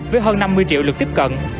với hơn năm mươi triệu lượt tiếp cận